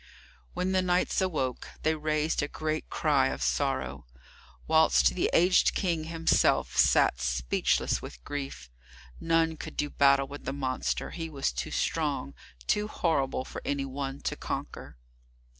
When the knights awoke, they raised a great cry of sorrow, whilst the aged King himself sat speechless with grief. None could do battle with the monster, he was too strong, too horrible for any one to conquer.